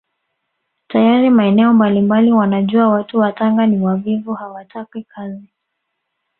Tayari maeneo mbalimbali wanajua watu wa Tanga ni wavivu hawataki kazi